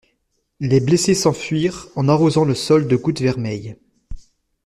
Les blessés s'enfuirent en arrosant le sol de gouttes vermeilles.